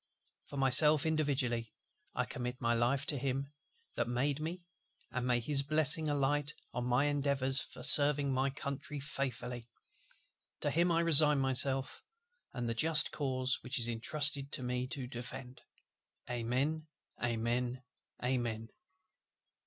For myself individually, I commit my life to Him that made me; and may His blessing alight on my endeavours for serving my Country faithfully! To Him I resign myself, and the just cause which is entrusted to me to defend. Amen, Amen, Amen."